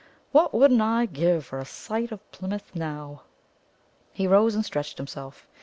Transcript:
What wouldn't I give for a sight of Plymouth now!" He rose and stretched himself.